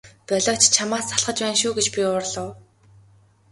Болиоч чамаас залхаж байна шүү гэж би уурлав.